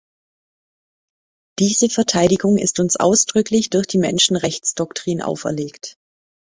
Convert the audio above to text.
Diese Verteidigung ist uns ausdrücklich durch die Menschenrechtsdoktrin auferlegt.